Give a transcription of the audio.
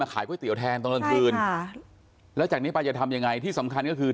มาขายก๋วยเตี๋ยวแทนตอนร่างคืนแล้วจากนี้ปาจะทำยังไงที่สำคัญก็คือ